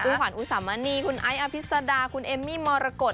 คุณสัหวัญอูสามะนีคุณไอซ์อาภิษฎาคุณเอมมี่มอรกฏ